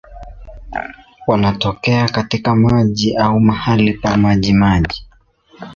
Wanatokea katika maji au mahali pa majimaji.